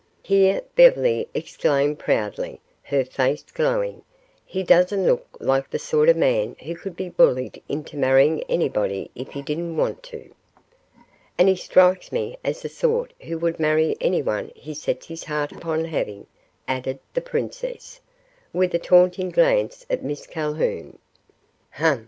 Here Beverly exclaimed proudly, her face glowing: "He doesn't look like the sort of man who could be bullied into marrying anybody if he didn't want to." "And he strikes me as the sort who would marry any one he set his heart upon having," added the princess, with a taunting glance at Miss Calhoun. "Umph!"